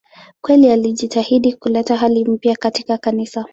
Kweli alijitahidi kuleta hali mpya katika Kanisa.